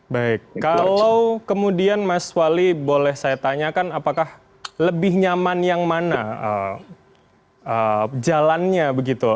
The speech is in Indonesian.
baik kalau kemudian mas wali boleh saya tanyakan apakah lebih nyaman yang mana jalannya begitu